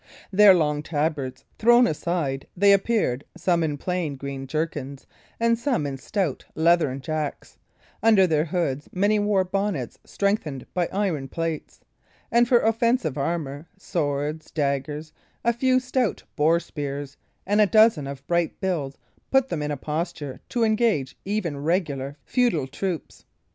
Their long tabards thrown aside, they appeared, some in plain green jerkins, and some in stout leathern jacks; under their hoods many wore bonnets strengthened by iron plates; and, for offensive armour, swords, daggers, a few stout boar spears, and a dozen of bright bills, put them in a posture to engage even regular feudal troops.